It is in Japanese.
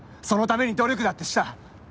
そのために努力だってした。